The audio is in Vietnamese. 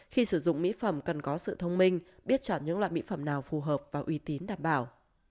khi sử dụng mỹ phẩm cần có sự thông minh biết chọn những loại mỹ phẩm nào phù hợp và uy tín đảm bảo